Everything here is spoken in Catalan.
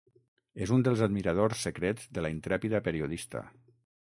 És un dels admiradors secrets de la intrèpida periodista.